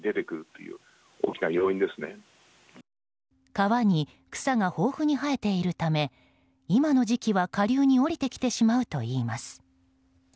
川に草が豊富に生えているため今の時期は、下流に下りてきてしまうといいます。